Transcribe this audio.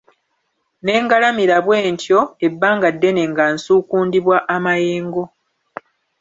Ne ngalamira bwe ntyo ebbanga ddene nga nsuukundibwa amayengo.